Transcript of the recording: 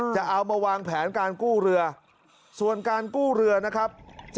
จะเอามาวางแผนการกู้เรือส่วนการกู้เรือนะครับ